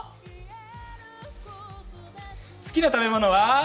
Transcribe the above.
好きな食べ物は？